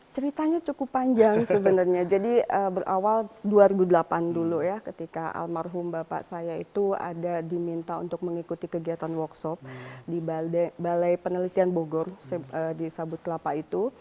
ceritanya cukup panjang sebenarnya jadi berawal dua ribu delapan dulu ya ketika almarhum bapak saya itu ada diminta untuk mengikuti kegiatan workshop di balai penelitian bogor di sabut kelapa itu